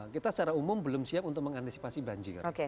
kita secara umum belum siap untuk mengantisipasi banjir